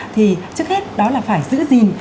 thì trước hết đó là phải giữ gìn